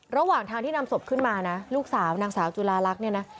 ระหว่างทางที่นำศพขึ้นมานะลูกสาวนางสาวจุลาลักษณ์เนี่ยนะ